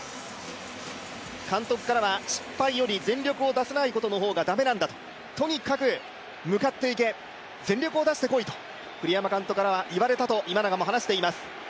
監督からは、失敗より全力を出さないことの方がだめなんだ、とにかく向かっていけ全力を出してこいと栗山監督からは言われたと今永も話しています。